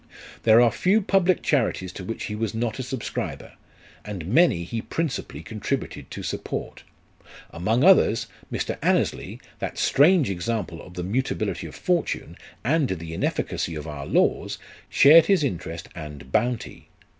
There are few public charities to which he was not a subscriber, and many he principally contributed to support. Among others, Mr. Annesley, that strange example of the mutability of fortune, and the inefficacy of our laws, shared his interest and bounty.